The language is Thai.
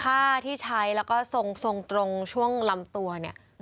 ค่าที่ใช้แล้วก็ทรงช่วงลำตัวนี่